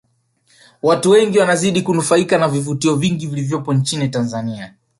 Watu wengi wanazidi kunufaika na vivutio vingi vilivopo nchini Tanzania